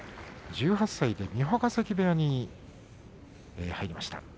１８歳で三保ヶ関部屋に入りました。